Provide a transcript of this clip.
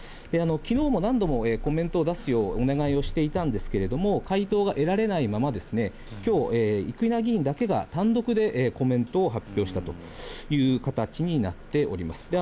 きのうも何度もコメントを出すよう、お願いをしていたんですけれども、回答が得られないまま、きょう、生稲議員だけが単独でコメントを発表したという形になっております。